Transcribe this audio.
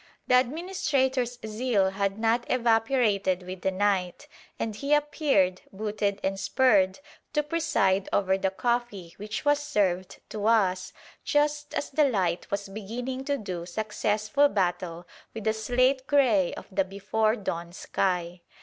The administrator's zeal had not evaporated with the night, and he appeared, booted and spurred, to preside over the coffee which was served to us just as the light was beginning to do successful battle with the slate grey of the before dawn sky.